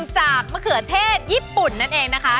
จากมะเขือเทศญี่ปุ่นนั่นเองนะคะ